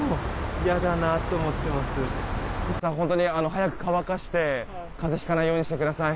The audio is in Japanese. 早く乾かして風邪をひかないようにしてください。